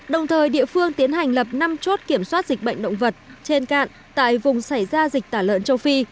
đồng thời địa phương tiến hành lập năm chốt kiểm soát dịch bệnh động vật trên cạn tại vùng xảy ra dịch tả lợn châu phi